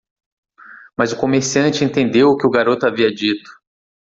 Mas o comerciante entendeu o que o garoto havia dito.